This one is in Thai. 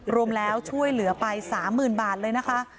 รวมแล้วช่วยเหลือไป๓๐๐๐บาทเลยนะคะ